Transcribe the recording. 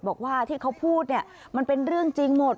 บอกว่าที่เขาพูดเนี่ยมันเป็นเรื่องจริงหมด